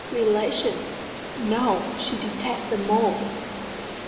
"Relation? No. She detests them all."